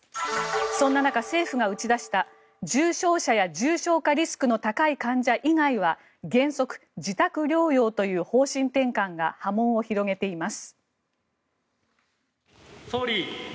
そんな中、政府が打ち出した重症者や重症化リスクが高い患者以外は原則、自宅療養という方針転換が波紋を広げています。